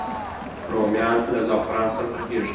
رومیان له زعفران سره پخېږي